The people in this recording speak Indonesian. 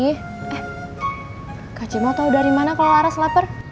eh kacimot tau dari mana kalau laras lapar